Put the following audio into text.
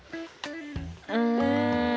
うん。